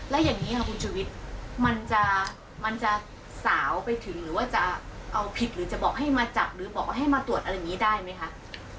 แล้วอย่างนี้ค่ะคุณชวิตมันจะสาวไปถึงหรือว่าจะเอาผิด